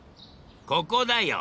ここだよ。